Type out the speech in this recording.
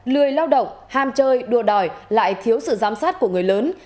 lười lao động ham chơi đua đòi lại thiếu sự giám sát của người lớn